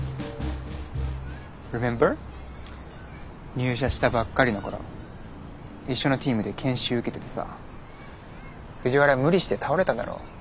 入社したばっかりの頃一緒のｔｅａｍで研修受けててさ藤原無理して倒れただろ。